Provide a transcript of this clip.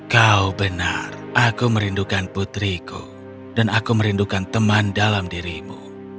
kau benar aku merindukan putriku dan aku merindukan teman dalam dirimu